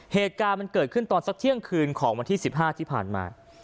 เหตุการณ์มันเกิดขึ้นตอนสักเที่ยงคืนของวันที่๑๕ที่ผ่านมา